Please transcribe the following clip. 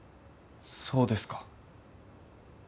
そうですか。